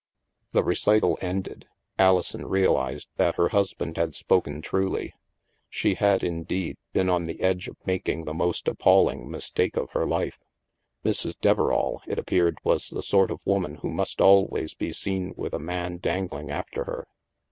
The recital ended, Alison realized that her hus band had spoken truly. She had, indeed, been on the edge of making the most appalling mistake of her life. Mrs. Deverall, it appeared, was the sort of woman who must always be seen with a man dangling after her.